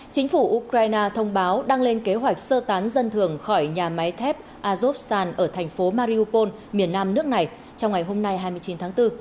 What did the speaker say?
chính phủ ukraine thông báo đang lên kế hoạch sơ tán dân thường khỏi nhà máy thép azovsan ở thành phố mariopol miền nam nước này trong ngày hôm nay hai mươi chín tháng bốn